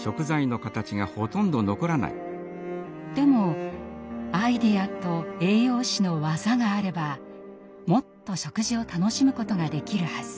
でもアイデアと栄養士の技があればもっと食事を楽しむことができるはず。